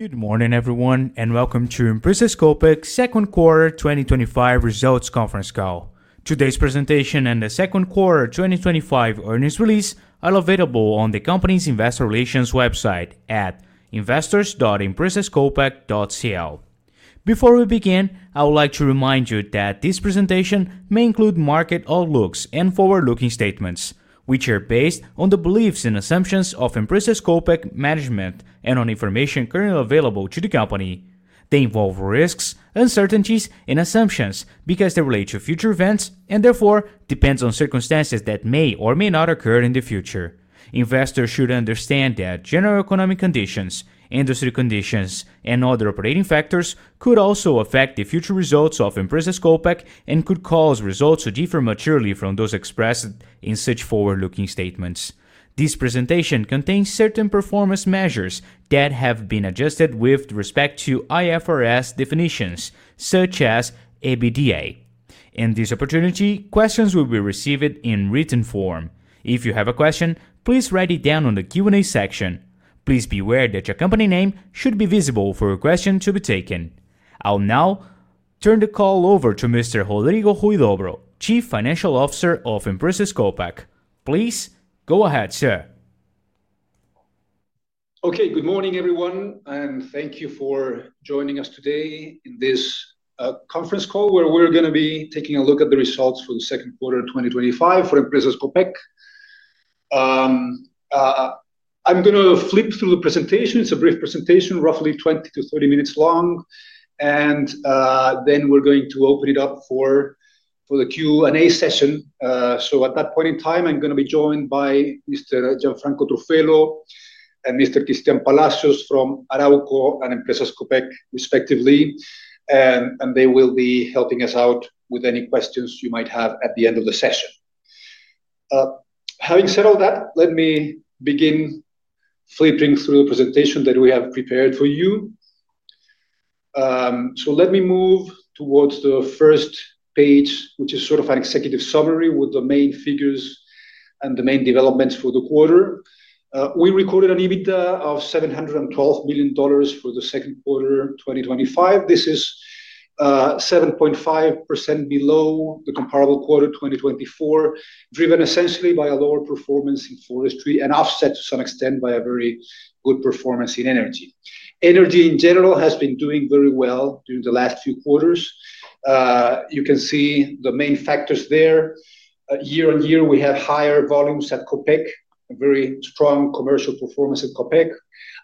Good morning everyone and welcome to Empresas Copec's Second Quarter 2025 Results Conference Call. Today's presentation and the second quarter 2025 earnings release are available on the company's Investor Relations website at investors.empresascopec.cl. Before we begin, I would like to remind you that this presentation may include market outlooks and forward-looking statements which are based on the beliefs and assumptions of Empresas Copec management and on information currently available to the company. They involve risks, uncertainties, and assumptions because they relate to future events and therefore depend on circumstances that may or may not occur in the future. Investors should understand that general economic conditions, industry conditions, and other operating factors could also affect the future results of Empresas Copec and could cause results to differ materially from those expressed in such forward-looking statements. This presentation contains certain performance measures that have been adjusted with respect to IFRS. Definitions such as EBITDA. In this opportunity, questions will be received in written form. If you have a question, please write it down in the Q&A section. Please be aware that your company name should be visible for a question to be taken. I'll now turn the call over to Mr. Rodrigo Huidobro, Chief Financial Officer of Empresas Copec. Please go ahead, sir. Okay, good morning everyone and thank you for joining us today in this conference call where we're going to be taking a look at the results for the second quarter 2025 for Empresas Copec. I'm going to flip through the presentation. It's a brief presentation, roughly 20 minutes-30 minutes long, and then we're going to open it up for the Q&A session. At that point in time, I'm going to be joined by Mr. Gianfranco Truffello and Mr. Cristián Palacios from Arauco and Empresas Copec respectively, and they will be helping us out with any questions you might have at the end of the session. Having said all that, let me begin flipping through the presentation that we have prepared for you. Let me move towards the first page, which is sort of an executive summary with the main figures and the main developments for the quarter. We recorded an EBITDA of $712 million for the second quarter 2025. This is 7.5% below the comparable quarter 2024, driven essentially by a lower performance in forestry and offset to some extent by a very good performance in energy. Energy in general has been doing very well during the last few quarters. You can see the main factors there year-on-year. We have higher volumes at Copec, very strong commercial performance at Copec.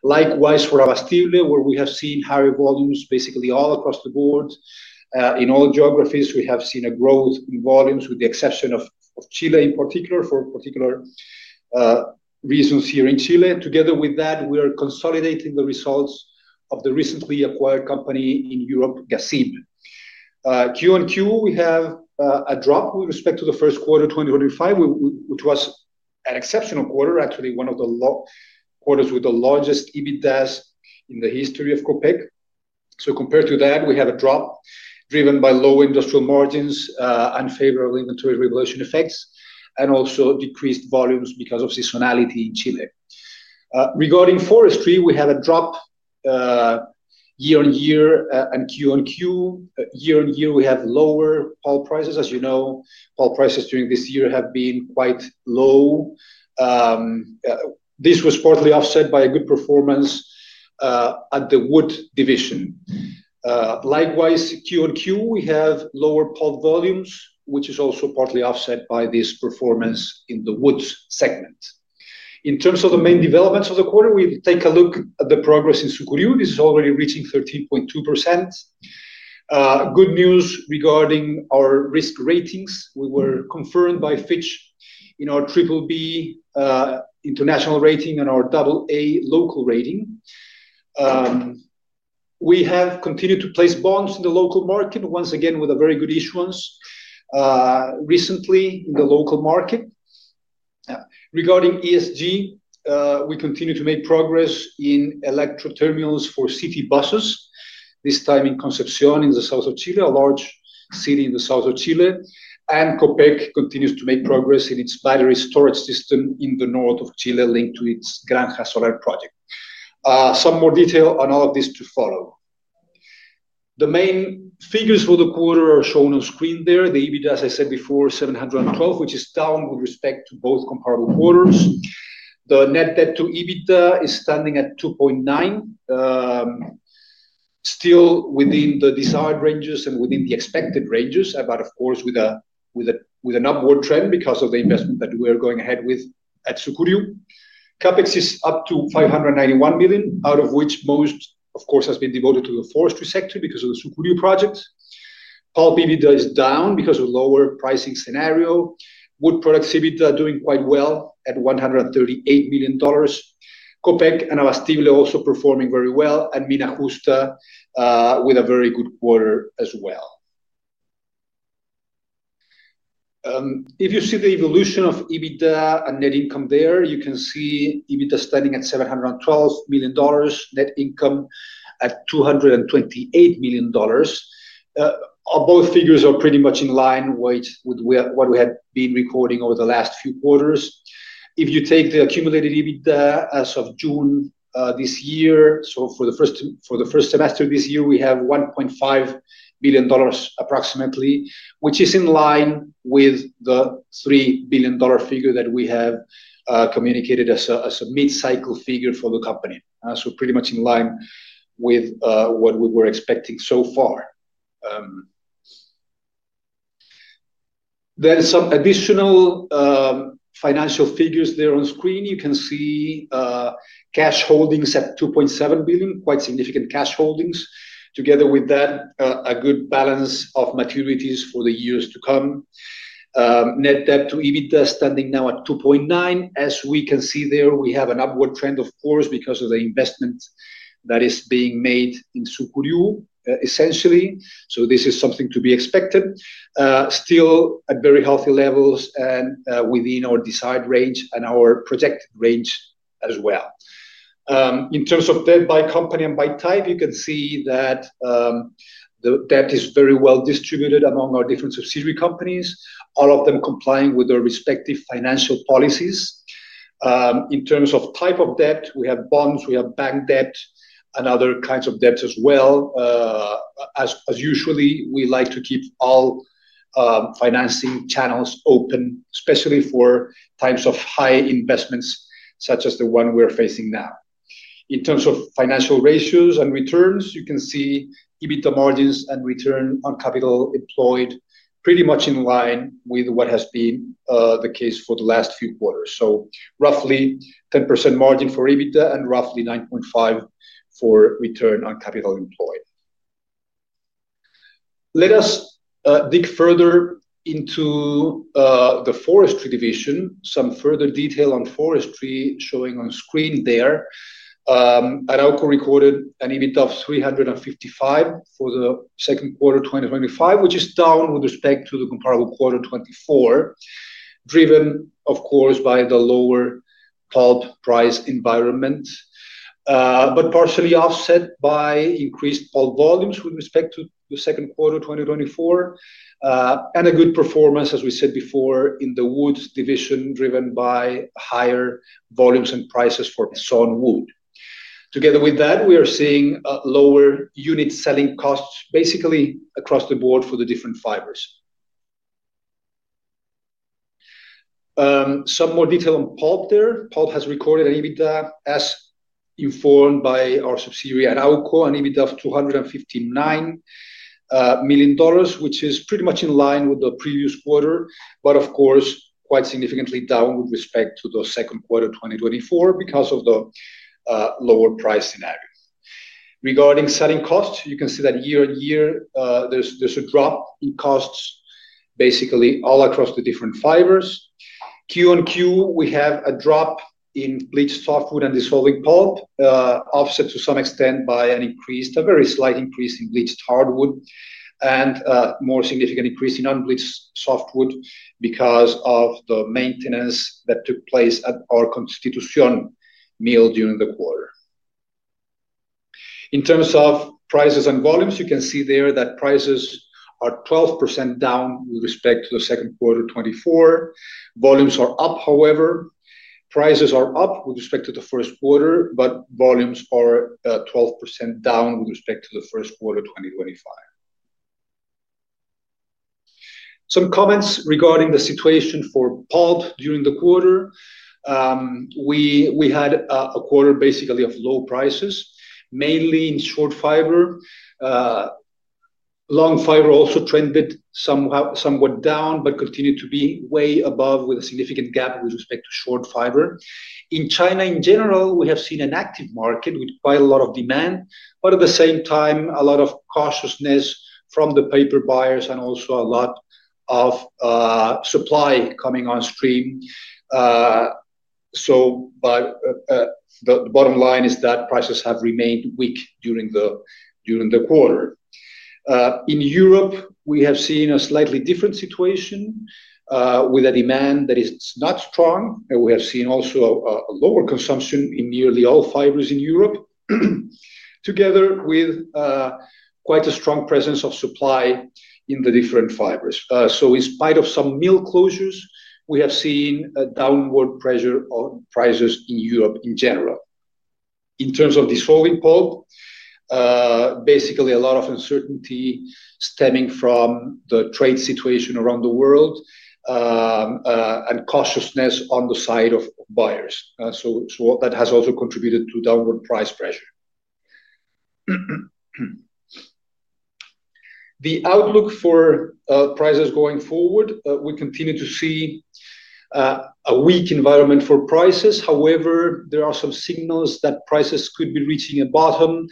Likewise for Abastible, where we have seen higher volumes basically all across the board. In all geographies, we have seen a growth in volumes with the exception of Chile, in particular for particular reasons here in Chile. Together with that, we are consolidating the results of the recently acquired company in Europe, Gasib. QoQ, we have a drop with respect to the first quarter 2025, which was an exceptional quarter, actually one of the quarters with the largest EBITDAs in the history of Copec. Compared to that, we had a drop driven by low industrial margins, unfavorable inventory revaluation effects, and also decreased volumes because of seasonality in Chile. Regarding forestry, we had a drop year-on-year and QoQ. Year-on-year, we have lower pulp prices. As you know, pulp prices during this year have been quite low. This was partly offset by a good performance at the wood division. Likewise, QoQ, we have lower pulp volumes, which is also partly offset by this performance in the wood segment. In terms of the main developments of the quarter, we take a look at the progress in Sucuriú. This is already reaching 13.2%. Good news. Regarding our risk ratings, we were confirmed by Fitch in our BBB international rating and our AA local rating. We have continued to place bonds in the local market once again with a very good issuance recently in the local market. Regarding ESG, we continue to make progress in electric charging services terminals for city buses, this time in Concepción in the south of Chile, a large city in the south of Chile. Copec continues to make progress in its battery energy storage system in northern Chile, linked to its Granja Solar project. Some more detail on all of this to follow. The main figures for the quarter are shown on screen there. The EBITDA, as I said before, $712 million, which is down with respect to both comparable quarters. The net debt to EBITDA is standing at 2.9, still within the desired ranges and within the expected ranges, with an upward trend because of the investment that we are going ahead with at Sucuriú. CapEx is up to $591 million, out of which most has been devoted to the forestry sector because of the Sucuriú project. Pulp EBITDA is down because of lower pricing scenario. Wood products EBITDA doing quite well at $138 million. Copec and Abastible also performing very well and Mina Justa with a very good quarter as well. If you see the evolution of EBITDA and net income there, you can see EBITDA standing at $712 million. Net income at $228 million. Both figures are pretty much in line with what we had been recording over the last few quarters. If you take the accumulated EBITDA as of June this year, for the first semester this year we have $1.5 billion approximately, which is in line with the $3 billion figure that we have communicated as a mid cycle figure for the company. Pretty much in line with what we were expecting so far. There are some additional financial figures there. On screen you can see cash holdings at $2.7 billion. Quite significant cash holdings together with that, a good balance of maturities for the years to come. Net debt to EBITDA standing now at 2.9. As we can see there, we have an upward trend because of the investment that is being made in Sucuriú essentially. This is something to be expected, still at very healthy levels and within our desired range and our project range as well. In terms of debt by company and by type, you can see that the debt is very well distributed among our different subsidiary companies, all of them complying with their respective financial policies. In terms of type of debt, we have bonds, we have bank debt and other kinds of debt as well as usually we like to keep all financing channels open, especially for times of high investments such as the one we're facing now. In terms of financial ratios and returns, you can see EBITDA margins and return on capital employed pretty much in line with what has been the case for the last few quarters. So roughly 10% margin for EBITDA and roughly 9.5% for return on capital employed. Let us dig further into the forestry division. Some further detail on forestry showing on screen there. Arauco recorded an EBITDA of $355 million for the second quarter 2025, which is down with respect to the comparable quarter 2024, driven of course by the lower pulp price environment, but partially offset by increased pulp volumes with respect to the second quarter 2024 and a good performance as we said before in the wood division, driven by higher volumes and prices for sawn wood. Together with that we are seeing lower unit selling costs basically across the board for the different fibers. Some more detail on pulp there. Pulp has recorded an EBITDA as informed by our subsidiary Arauco, an EBITDA of $259 million, which is pretty much in line with the previous quarter, but of course quite significantly down with respect to the second quarter 2024 because of the lower price scenario. Regarding selling costs, you can see that year-on-year there's a drop in costs basically all across the different fibers. QoQ we have a drop in bleached softwood and dissolving pulp offset to some extent by a very slight increase in bleached hardwood and more significant increase in unbleached softwood because of the maintenance that took place at our Constitución mill during the quarter. In terms of prices and volumes, you can see there that prices are 12% down with respect to the second quarter 2024. Volumes are up. However, prices are up with respect to the first quarter, but volumes are 12% down with respect to the first quarter 2025. Some comments regarding the situation for pulp during the quarter: we had a quarter basically of low prices mainly in short-fiber. Long-fiber also trended somewhat down but continued to be way above with a significant gap with respect to short-fiber. In China in general, we have seen an active market with quite a lot of demand, but at the same time a lot of cautiousness from the paper buyers and also a lot of supply coming on stream. The bottom line is that prices have remained weak during the quarter. In Europe, we have seen a slightly different situation with demand that is not strong, and we have also seen lower consumption in nearly all fibers in Europe together with quite a strong presence of supply in the different fibers. In spite of some mill closures, we have seen downward pressure on prices in Europe in general in terms of this falling pulp. Basically, a lot of uncertainty is stemming from the trade situation around the world and cautiousness on the side of buyers. That has also contributed to downward price pressure. The outlook for prices going forward is that we continue to see a weak environment for prices. However, there are some signals that prices could be reaching a bottom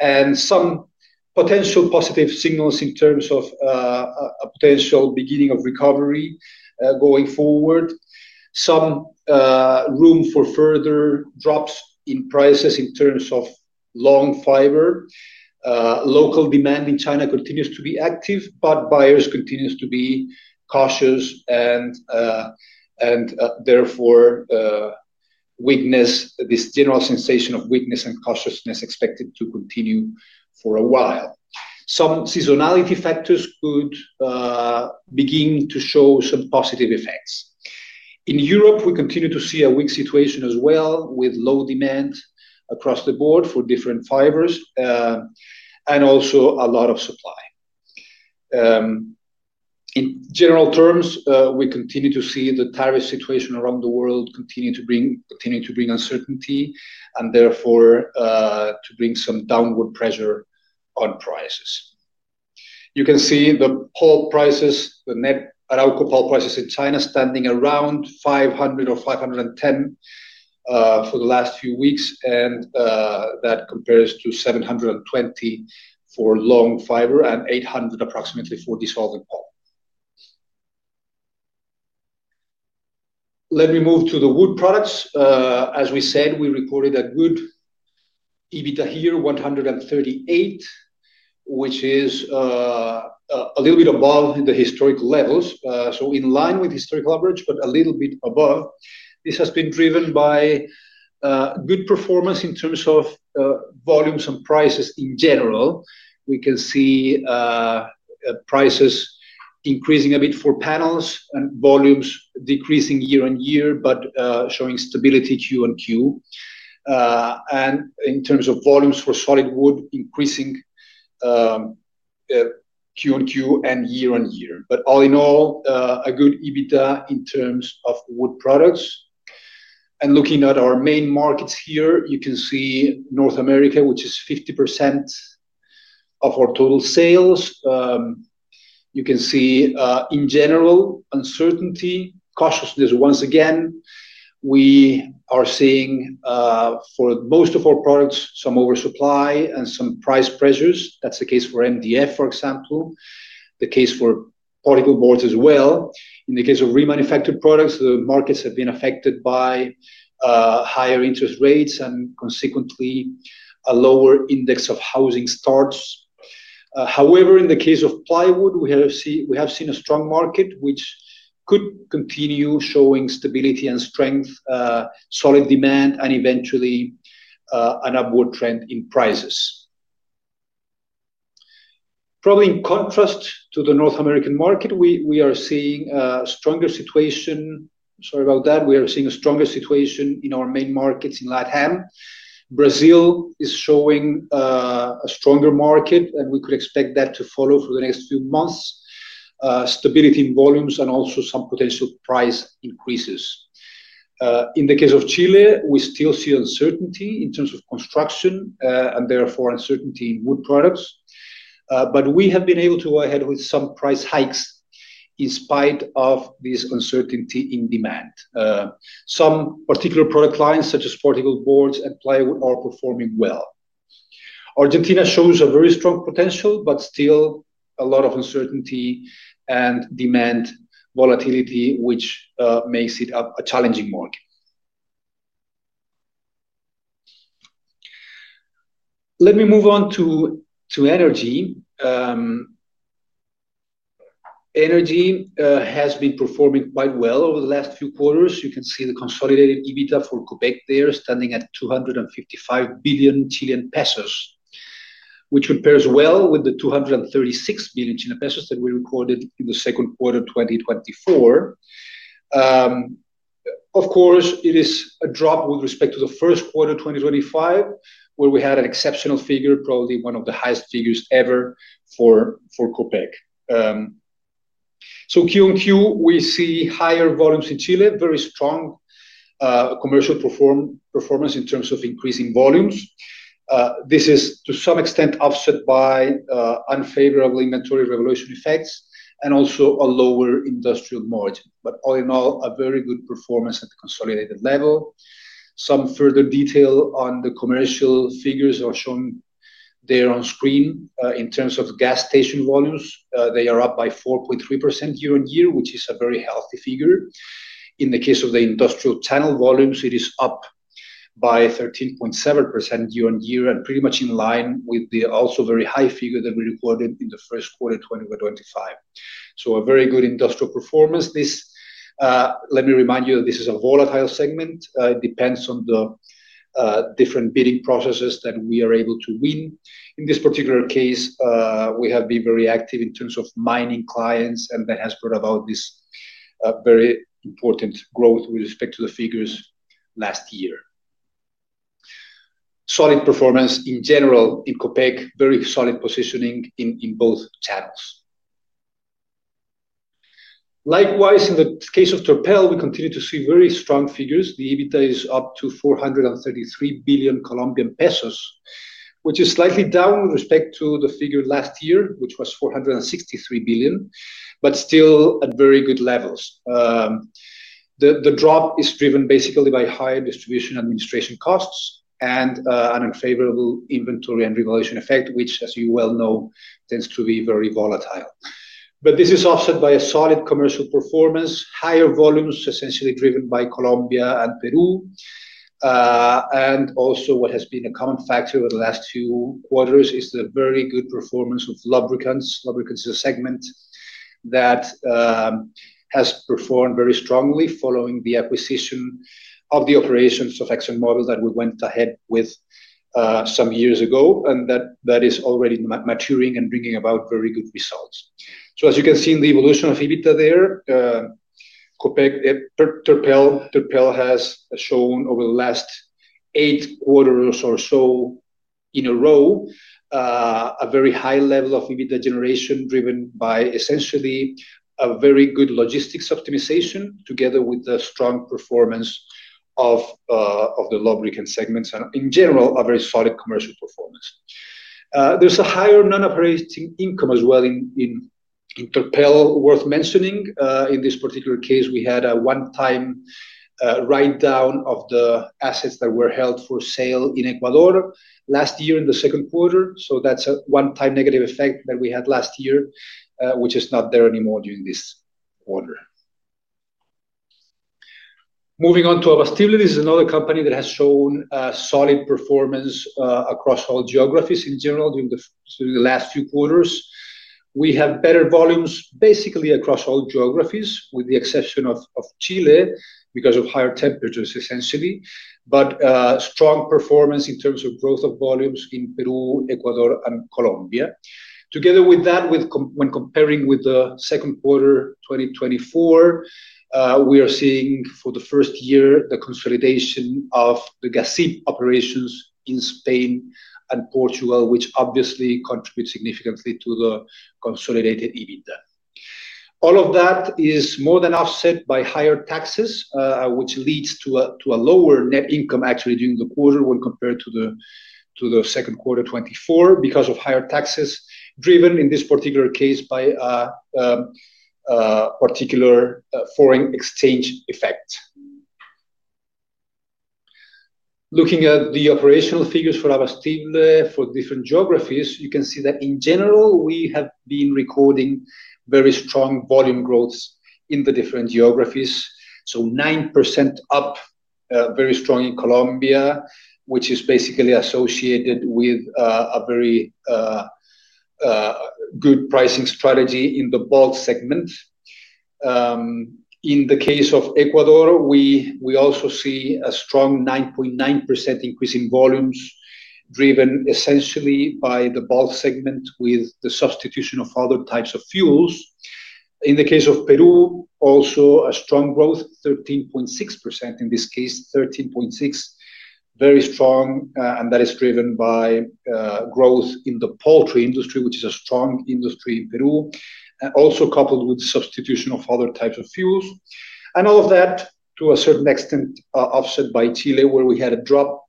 and some potential positive signals in terms of a potential beginning of recovery going forward, with some room for further drops in prices in terms of long-fiber. Local demand in China continues to be active, but buyers continue to be cautious and therefore we witness this general sensation of weakness and cautiousness expected to continue for a while. Some seasonality factors could begin to show some positive effects. In Europe, we continue to see a weak situation as well with low demand across the board for different fibers and also a lot of supply. In general terms, we continue to see the tariff situation around the world continue to bring uncertainty and therefore to bring some downward pressure on prices. You can see the pulp prices, the net Arauco pulp prices in China standing around $500 or $510 for the last few weeks. That compares to $720 for long fiber and $800 approximately for dissolving pulp. Let me move to the wood products. As we said, we reported a good EBITDA here, $138 million, which is a little bit above the historic levels. In line with historical average, but a little bit above. This has been driven by good performance in terms of volumes and prices. In general, we can see prices increasing a bit for panels and volumes decreasing year-on-year, but showing stability QoQ, and in terms of volumes for solid wood, increasing QoQ and year-on-year. All in all, a good EBITDA in terms of wood products. Looking at our main markets here, you can see North America, which is 50% of our total sales. In general, uncertainty and cautiousness. Once again, we are seeing for most of our products some oversupply and some price pressures. That's the case for MDF, for example, the case for particle boards as well. In the case of remanufactured products, the markets have been affected by higher interest rates and consequently a lower index of housing starts. However, in the case of plywood, we have seen a strong market which could continue showing stability and strength, solid demand and eventually an upward trend in prices. Probably in contrast to the North American market, we are seeing a stronger situation. Sorry about that. We are seeing a stronger situation in our main markets. In LatAm, Brazil is showing a stronger market and we could expect that to follow for the next few months. Stability in volumes and also some potential price increases. In the case of Chile, we still see uncertainty in terms of construction and therefore uncertainty in wood products, but we have been able to go ahead with some price hikes. In spite of this uncertainty in demand, some particular product lines, such as particle boards and plywood, are performing well. Argentina shows a very strong potential, but still a lot of uncertainty and demand volatility, which makes it a challenging mode. Let me move on to energy. Energy has been performing quite well over the last few quarters. You can see the consolidated EBITDA for Copec there standing at 255 billion Chilean pesos, which compares well with the 236 billion Chilean pesos that we recorded in the second quarter 2024. Of course, it is a drop with respect to the first quarter 2025, where we had an exceptional figure, probably one of the highest figures ever for Copec. QoQ, we see higher volumes in Chile, very strong commercial performance in terms of increasing volumes. This is to some extent offset by unfavorable inventory regulation effects and also a lower industrial mode, but all in all a very good performance at the consolidated level. Some further detail on the commercial figures are shown there on screen. In terms of gas station volumes, they are up by 4.3% year-on-year, which is a very healthy figure. In the case of the industrial channel volumes, it is up by 13.7% year-on-year and pretty much in line with the also very high figure that we recorded in the first quarter 2025. A very good industrial performance. Let me remind you, this is a volatile segment. It depends on the different bidding processes that we are able to win. In this particular case we have been very active in terms of mining clients and that has brought about this very important growth. With respect to the figures last year, solid performance in general in Copec, very solid positioning in both channels. Likewise in the case of Terpel we continue to see very strong figures. The EBITDA is up to COP 433 billion, which is slightly down with respect to the figure last year which was COP 463 billion, but still at very good levels. The drop is driven basically by high distribution administration costs and an unfavorable inventory and regulation effect, which as you well know tends to be very volatile. This is offset by a solid commercial performance. Higher volumes essentially driven by Colombia and Peru. Also, what has been a common factor over the last two or three quarters is the very good performance of lubricants. Lubricants is a segment that has performed very strongly following the acquisition of the operations of the Akzo Nobel model that we went ahead with some years ago and that is already maturing and bringing about very good results. As you can see in the evolution of EBITDA, Terpel has shown over the last eight quarters or so in a row, a very high level of EBITDA generation driven by essentially a very good logistics optimization together with the strong performance of the lubricants segments and in general a very solid commercial performance. There's a higher non-operating income as well in Terpel worth mentioning. In this particular case we had a one-time write-down of the assets that were held for sale in Ecuador last year in the second quarter. That's a one-time negative effect that we had last year which is not there anymore during this quarter. Moving on to Abastible, another company that has shown solid performance across all geographies. In general during the last few quarters we have better volumes basically across all geographies with the exception of Chile because of higher temperatures essentially. Strong performance in terms of growth of volumes in Peru, Ecuador, and Colombia. Together with that, when comparing with the second quarter 2024, we are seeing for the first year the consolidation of the Gasib operations in Spain and Portugal, which obviously contribute significantly to the consolidated EBITDA. All of that is more than offset by higher taxes, which leads to a lower net income actually during the quarter when compared to second quarter 2024 because of higher taxes driven in this particular case by particular foreign exchange effect. Looking at the operational figures for our team for different geographies, you can see that in general we have been recording very strong volume growth in the different geographies. 9% up, very strong in Colombia, which is basically associated with a very good pricing strategy in the bulk segment. In the case of Ecuador, we also see a strong 9.9% increase in volumes driven essentially by the bulk segment with the substitution of other types of fuels. In the case of Peru, also a strong growth, 13.6% in this case, 13.6%, very strong. That is driven by growth in the poultry industry, which is a strong industry in Peru, also coupled with substitution of other types of fuels. All of that to a certain extent offset by Chile, where we had a drop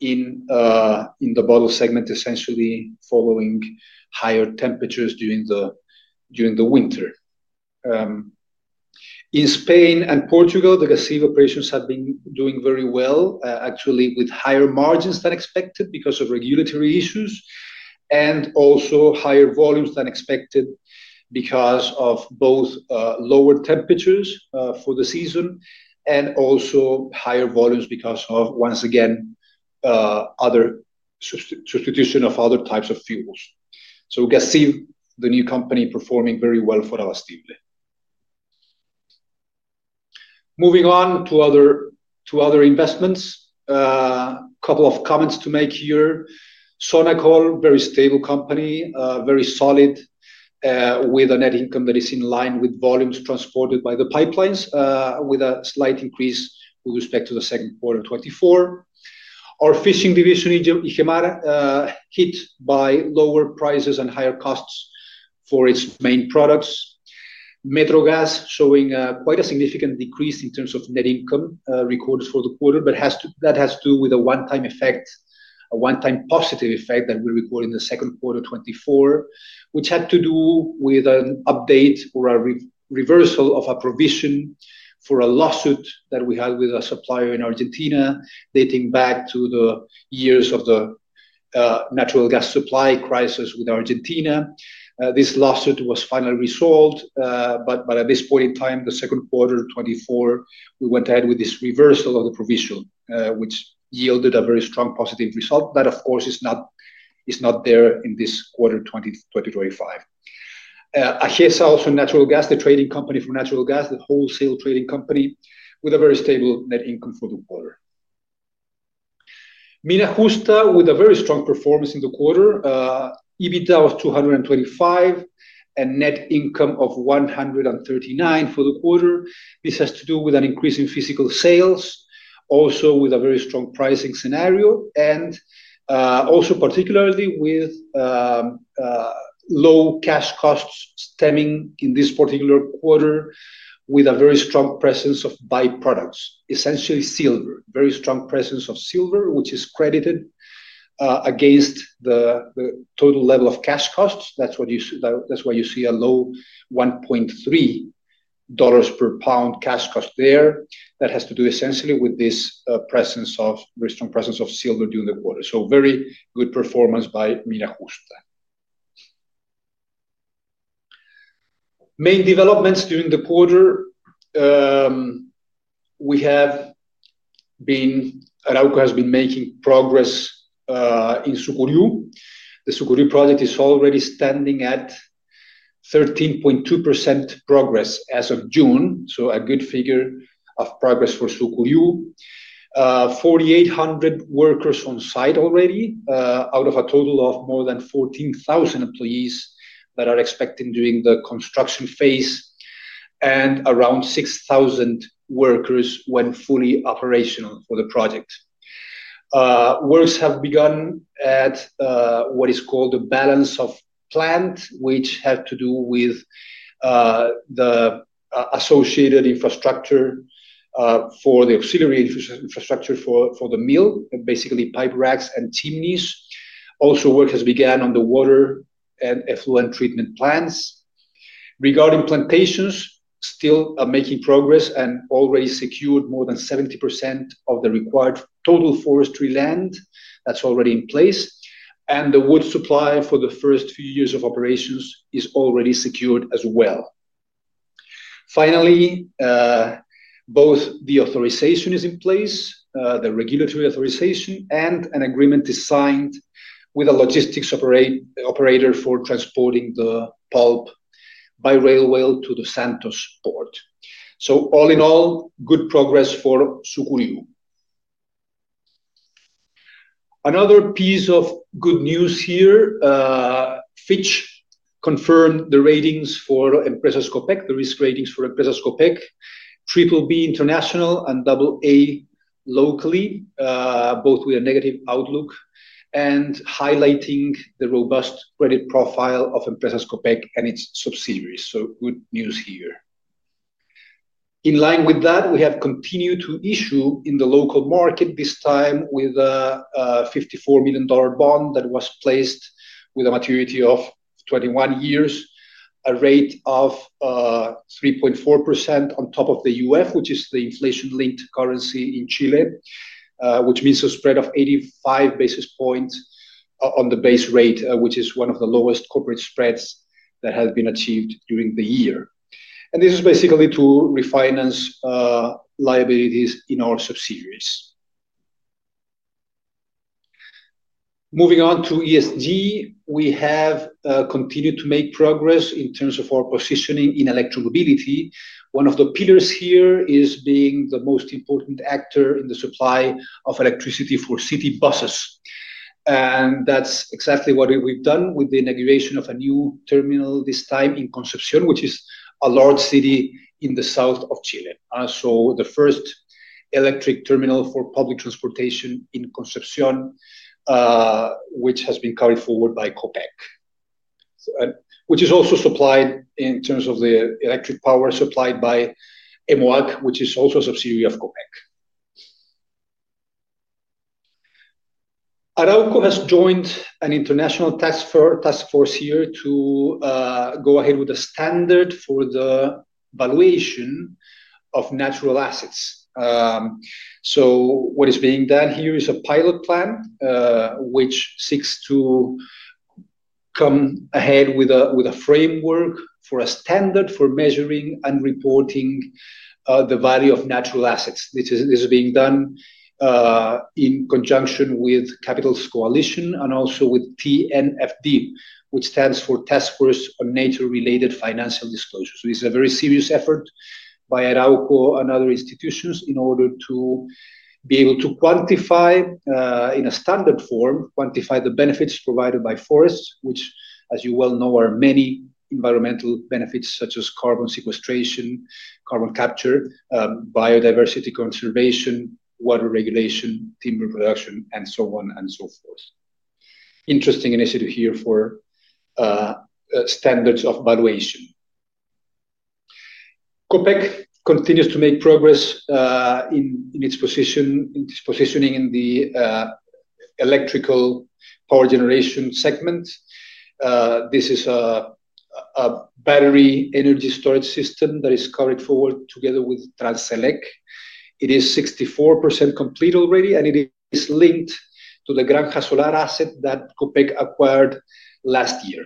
in the bottle segment essentially following higher temperatures during the winter. In Spain and Portugal, the Gasib operations have been doing very well actually with higher margins than expected because of regulatory issues and also higher volumes than expected because of both lower temperatures for the season and also higher volumes because of, once again, other substitution of other types of fuels. We can see the new company performing very well for Abastible. Moving on to other investments. A couple of comments to make here. Sonacol, very stable company, very solid, with a net income that is in line with volumes transported by the pipelines with a slight increase with respect to second quarter 2024. Our fishing division Igemar, hit by lower prices and higher costs for its main products. Metrogas, showing quite a significant decrease in terms of net income recorded for the quarter. That has to do with a one-time effect, a one-time positive effect that we record in second quarter 2024, which had to do with an update or a reference reversal of a provision for a lawsuit that we had with a supplier in Argentina. Dating back to the years of the natural gas supply crisis with Argentina, this lawsuit was finally resolved. At this point in time, the second quarter 2024, we went ahead with this reversal of the provision which yielded a very strong positive result. That of course is not there in this quarter, quarter 2025. AGESA from Natural Gas, the trading company from natural gas, the wholesale trading company with a very stable net income for the quarter. Mina Justa with a very strong performance in the quarter. EBITDA was $225 million and net income of $139 million for the quarter. This has to do with an increase in physical sales, also with a very strong pricing scenario and also particularly with low cash costs stemming in this particular quarter with a very strong presence of byproduct credits, essentially silver, very strong presence of silver which is credited against the total level of cash costs. That's why you see a low $1.30 per pound cash cost there. That has to do essentially with this presence of very strong presence of silver during the quarter. Very good performance by Mina Justa. Main developments during the quarter, Arauco has been making progress in Sucuriú. The Sucuriú project is already standing at 13.2% progress as of June. A good figure of progress for Sucuriú. 4,800 workers on site already out of a total of more than 14,000 employees that are expected during the construction phase and around 6,000 workers when fully operational. For the project, works have begun at what is called the balance of plant, which have to do with the associated infrastructure for the auxiliary infrastructure for the mill, basically pipe racks and chimneys. Also, work has begun on the water and effluent treatment plants. Regarding plantations, still making progress and already secured more than 70% of the required total forestry land that's already in place and the wood supply for the first few years of operations is already secured as well. Finally, both the authorization is in place, the regulatory authorization and an agreement designed with a logistics operator for transporting the pulp by railway to the Santos port. All in all, good progress for Sucuriú. Another piece of good news here, Fitch confirmed the ratings for Empresas Copec, the risk ratings for Empresas Copec, BBB International and AA locally, both with a negative outlook and highlighting the robust credit profile of Empresas Copec and its subsidiaries. Good news here. In line with that, we have continued to issue in the local market, this time with a $54 million bond that was placed with a maturity of 21 years, a rate of 3.4% on top of the UF, which is the inflation-linked currency in Chile. This means a spread of 85 basis points on the base rate, which is one of the lowest corporate spreads that has been achieved during the year. This is basically to refinance liabilities in our subsidiaries. Moving on to ESG, we have continued to make progress in terms of our positioning in electromobility. One of the pillars here is being the most important actor in the supply of electricity for city buses. That's exactly what we've done with the inauguration of a new terminal, this time in Concepción, which is a large city in the south of Chile. The first electric terminal for public transportation in Concepción has been carried forward by Copec, which is also supplied in terms of the electric power supplied by EMOAC, which is also a subsidiary of Copec. Arauco has joined an international task force here to go ahead with a standard for the valuation of natural assets. What is being done here is a pilot plan which seeks to come ahead with a framework for a standard for measuring and reporting the value of natural assets. This is being done in conjunction with Capitals Coalition and also with TNFD, which stands for Taskforce on Nature-related Financial Disclosures. It's a very serious effort by Arauco and other institutions in order to be able to quantify, in a standard form, the benefits provided by forests, which, as you well know, are many environmental benefits such as carbon sequestration, carbon capture, biodiversity conservation, water regulation, timber production, and so on and so forth. Interesting initiative here for standards of valuation. Copec continues to make progress in its positioning in the electrical power generation segment. This is a battery energy storage system that is carried forward together with Transelec. It is 64% complete already and it is linked to the Granja Solar asset that Copec acquired last year.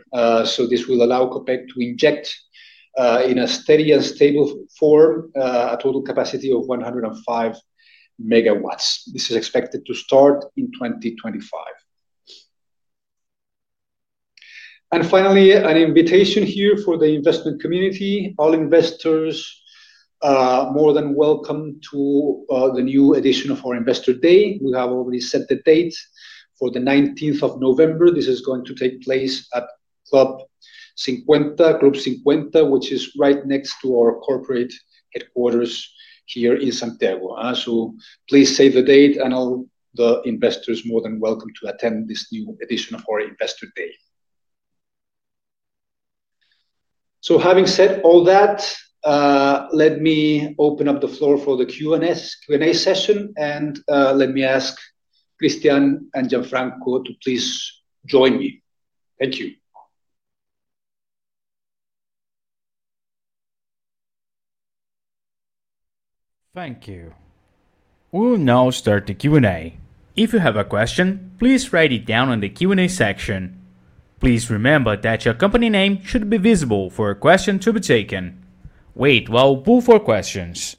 This will allow Copec to inject in a steady and stable form a total capacity of 105 MW. This is expected to start in 2025. Finally, an invitation here for the investment community. All investors are more than welcome to the new edition of our Investor Day. We have already set the date for the 19th of November. This is going to take place at Club 50. Club 50, which is right next to our corporate headquarters here in Santiago. Please save the date and all the investors are more than welcome to attend this new edition of our Investor Day. Having said all that, let me open up the floor for Q&A session. let me ask Cristián and Gianfranco to please join me. Thank you. Thank you. We'll now start the Q&A. If you have a question, please write it down in the Q&A section. Please remember that your company name should be visible for a question to be taken. Please wait while we pull for questions.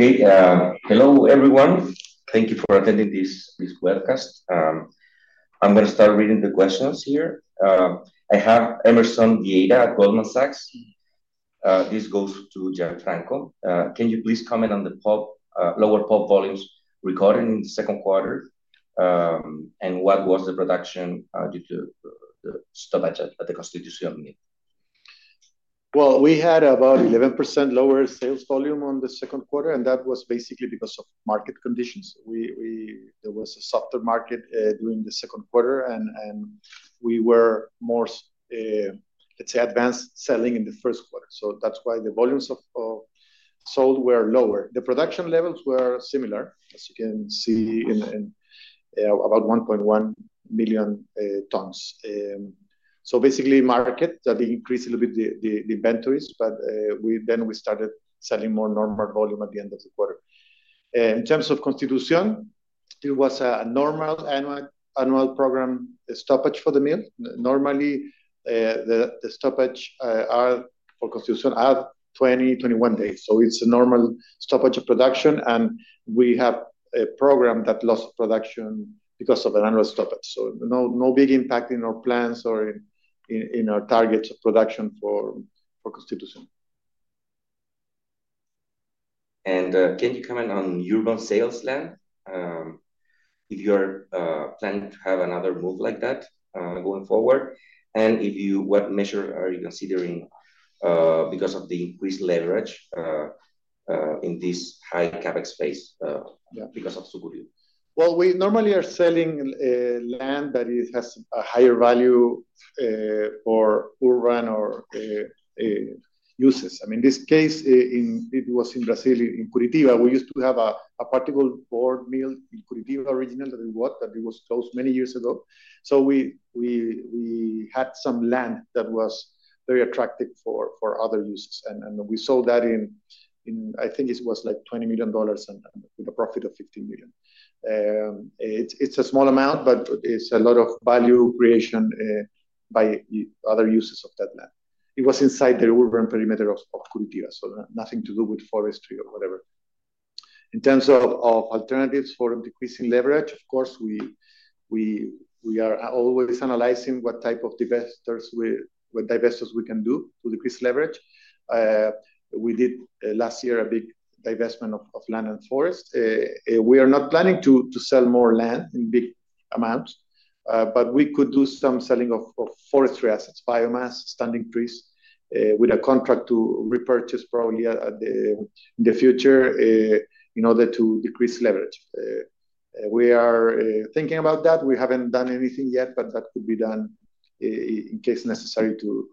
Okay. Hello everyone. Thank you for attending this webcast. I'm going to start reading the questions here. I have Emerson Vieira, Goldman Sachs. This goes to Gianfranco. Can you please comment on the lower pulp volumes recorded in the second quarter and what was the production due to the stoppages at Constitución? We had about 11% lower sales volume in the second quarter and that was basically because of market conditions. There was a softer market during the second quarter and we were more, let's say, advanced selling in the first quarter. That's why the volumes sold were lower. The production levels were similar, as you can see, at about 1.1 million tons. Basically, the market increased inventories a little bit. We started selling more normal volume at the end of the quarter. In terms of Constitución, there was a normal annual program stoppage for the mill. Normally, the stoppages are focused on 20, 21 days. It's a normal stoppage of production. We have a program that lost production because of an annual stoppage. No big impact in our plans or in our target production for Constitución. Can you comment on urban sales land if you are planning to have another move like that going forward? What measures are you considering because of the increased leverage in this high CapEx space because of Sucuriú? Normally, we are selling land that has a higher value for urban uses. In this case, it was in Brazil, in Curitiba. We used to have a particle board mill, Curitiba original, that we bought that was closed many years ago. We had some land that was very attractive for other uses, and we sold that. I think it was like $20 million with a profit of $15 million. It's a small amount, but it's a lot of value creation by other uses of that land. It was inside the urban perimeter of Curitiba, so nothing to do with forestry or whatever. In terms of alternatives for decreasing leverage, of course, we are always analyzing what type of divestitures we can do to decrease leverage. We did last year a big divestment of land and forest. We are not planning to sell more land in big amounts, but we could do some selling of forestry assets, biomass, standing trees with a contract to repurchase probably in the future in order to decrease leverage. We are thinking about that. We haven't done anything yet, but that could be done in case necessary to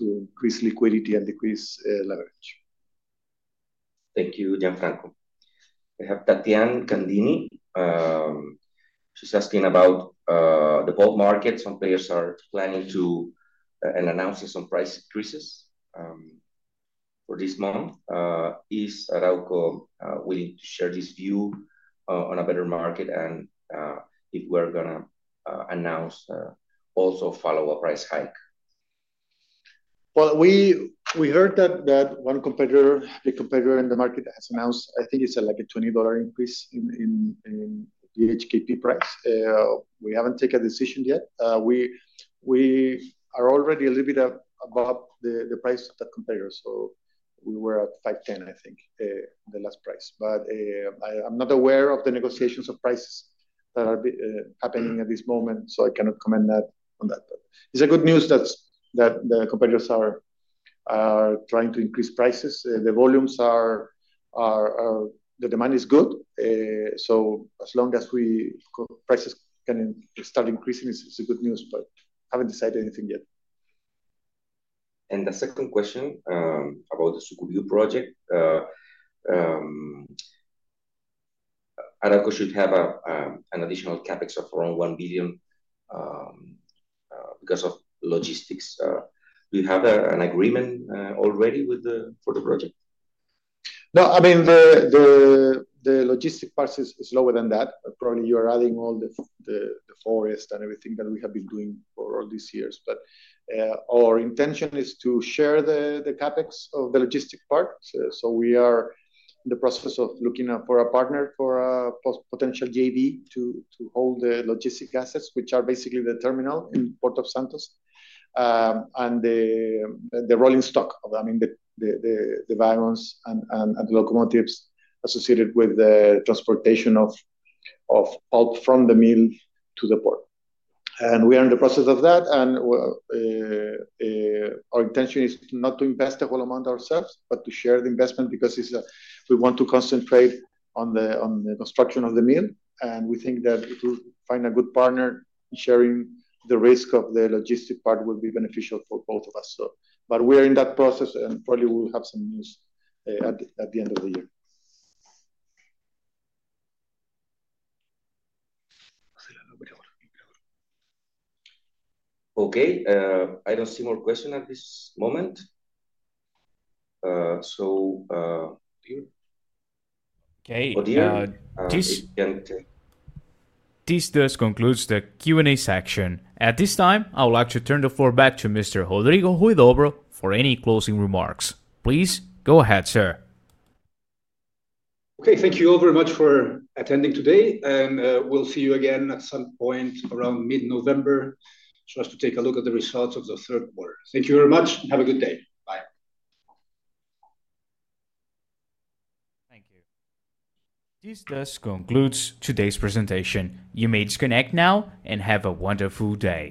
increase liquidity and decrease leverage. Thank you, Gianfranco. We have Tathiane Candini, she's asking about the bulk market. Some players are planning to and announce some price increases for this month. Is Arauco, [willing] to share this view on a better market and if we're going to announce also follow a price hike? We heard that one competitor in the market has announced, I think, it's like a $20 increase in the HKP price. We haven't taken a decision yet. We are already a little bit above the price of the competitor. We were at $510, I think, the last price. I'm not aware of the negotiations of prices that are happening at this moment, so I cannot comment on that. It's good news that the competitors are trying to increase prices. The volumes, the demand is good. As long as prices can start increasing, it's good news, but haven't decided anything yet. The second question about the Sucuriú project, Arauco should have an additional CapEx of around $1 billion because of logistics. We have an agreement already with the project. No, I mean the logistics part is lower than that. Probably you are adding all the forest and everything that we have been doing for all these years. Our intention is to share the CapEx of the logistics part. We are in the process of looking for a partner for a potential JV to hold the logistics assets, which are basically the terminal in Port of Santos and the rolling stock, the wagons and locomotives associated with the transportation of pulp from the mill to the port. We are in the process of that and our intention is not to invest the whole amount ourselves but to share the investment because we want to concentrate on the construction of the mill and we think that we will find a good partner. Sharing the risk of the logistics part will be beneficial for both of us. We are in that process and probably we'll have some news at the end of the year. Okay, I don't see more questions at this moment. So. Okay, this does conclude the Q&A section. At this time I would like to turn the floor back to Mr. Rodrigo Huidobro for any closing remarks. Please go ahead, sir. Okay, thank you all very much for attending today and we'll see you again at some point around mid-November to take a look at the results of the third quarter. Thank you very much, have a good day. Bye. Thank you. This does conclude today's presentation. You may disconnect now and have a wonderful day.